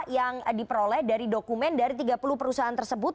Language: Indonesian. yang diperoleh dari dokumen dari tiga puluh perusahaan tersebut